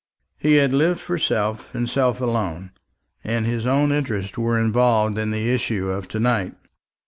He had lived for self, and self alone; and his own interests were involved in the issue of to night.